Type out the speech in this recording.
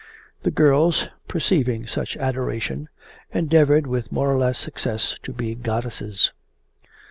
The girls, perceiving such adoration, endeavoured with more or less success to be goddesses.